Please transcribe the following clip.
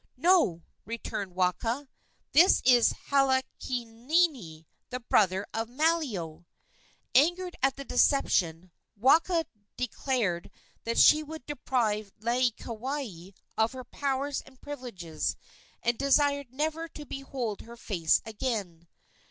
"No," returned Waka; "this is Halaaniani, the brother of Malio!" Angered at the deception, Waka declared that she would deprive Laieikawai of her powers and privileges, and desired never to behold her face again.